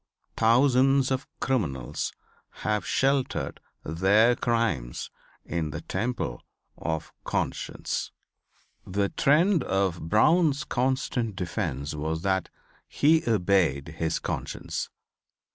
Thousands of criminals have sheltered their crimes in the temple of Conscience. The trend of Brown's constant defence was that he obeyed his conscience.